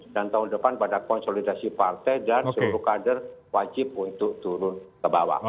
dan tahun depan pada konsolidasi partai dan seluruh kader wajib untuk turun ke bawah